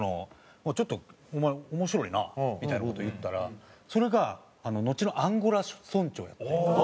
「ちょっとお前面白いな」みたいな事を言ったらそれがのちのアンゴラ村長やって。